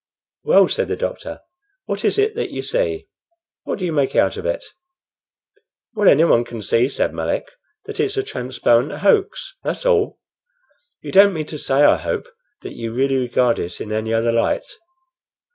"Well," said the doctor, "what is it that you see? What do you make out of it?" "Why, anyone can see," said Melick, "that it's a transparent hoax, that's all. You don't mean to say, I hope, that you really regard it in any other light?"